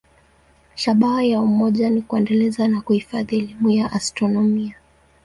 Shabaha ya umoja ni kuendeleza na kuhifadhi elimu ya astronomia.